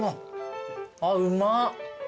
あっうまっ。